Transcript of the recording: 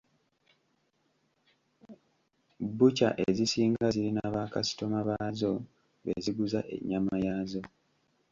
Bbukya ezisinga zirina ba kaasitoma baazo be ziguza ennyama yaazo.